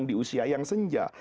di usia yang senja